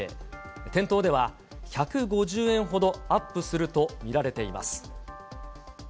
店頭では１５０円ほどアップすると見られています。